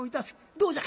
どうじゃ？」。